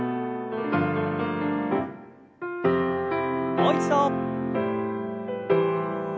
もう一度。